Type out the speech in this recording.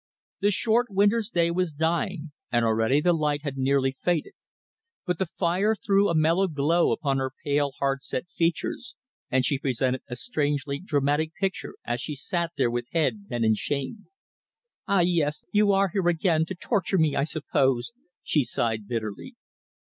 The short winter's day was dying, and already the light had nearly faded. But the fire threw a mellow glow upon her pale, hard set features, and she presented a strangely dramatic picture as she sat there with head bent in shame. "Ah! yes. You are here again to torture me, I suppose," she sighed bitterly.